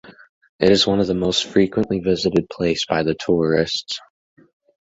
It is One of the most frequently visited place by the tourists.